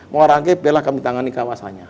muara angke biarlah kami tangani kawasannya